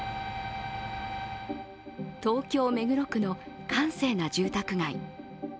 東京・目黒区の閑静な住宅街。